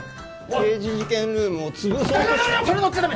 刑事事件ルームを潰そうとダメ